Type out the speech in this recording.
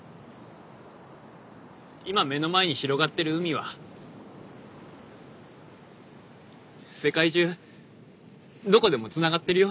今目の前に広がってる海は世界中どこでもつながってるよ。